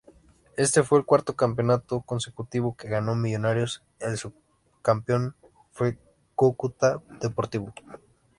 Este fue el cuarto campeonato consecutivo que ganó Millonarios, el subcampeón fue Cúcuta Deportivo.